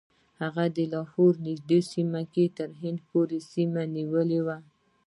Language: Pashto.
هغه د لاهور نږدې سیمه کې تر هند پورې سیمې ونیولې.